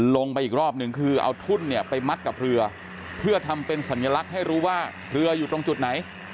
ลงไปอีกรอบหนึ่งคือเอาทุ่นเนี่ยไปมัดกับเรือเพื่อทำเป็นสัญลักษณ์ให้รู้ว่าเรืออยู่ตรงจุดไหน